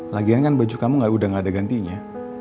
lagian kan baju kamu udah gak ada gantinya